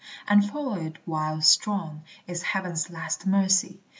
And follow it while strong, is heaven's last mercy.